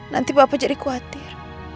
nanti papa jadi khawatir